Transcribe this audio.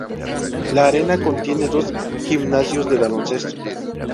La arena contiene dos gimnasios de baloncesto.